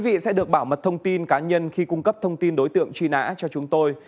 quý vị sẽ được bảo mật thông tin cá nhân khi cung cấp thông tin đối tượng truy nã cho chúng tôi